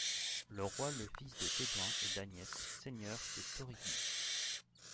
Le Roy le fils de Téduin et d'Agnès, seigneurs de Torigni.